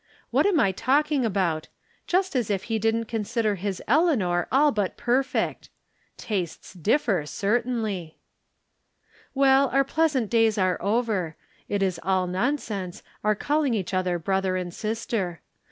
What am I talking about 1 Just as if he didn't consider his Eleanor all but perfect 1 Tastes differ, certainlj^, "Well, our pleasant days are over. It is all nonsense, our calling each other brother and sister.